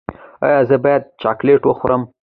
ایا زه باید چاکلیټ وخورم؟